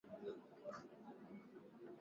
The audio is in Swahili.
Anamsubiri tayari.